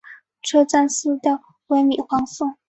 车站色调为米黄色。